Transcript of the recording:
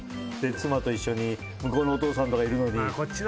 妻と一緒に向こうのお義父さんとかいるのに。